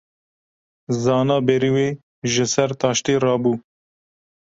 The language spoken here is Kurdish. Zana berî wê ji ser taştê rabû.